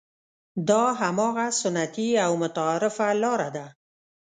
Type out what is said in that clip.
دا هماغه سنتي او متعارفه لاره ده.